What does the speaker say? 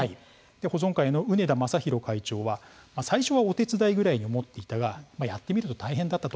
保存会の畦田正博会長は最初はお手伝いくらいに思っていたがやってみると大変だった。